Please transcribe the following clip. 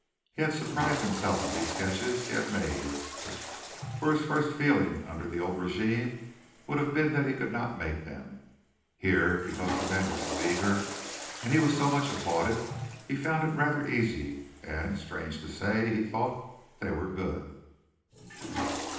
He had surprised himself in these sketches he had made, for his first feeling under the old régime would have been that he could not make them. Here, because the men were so eager and he was so much applauded, he found it rather easy and, strange to say, he thought they were good.